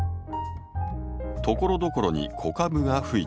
ところどころに子株がふいています。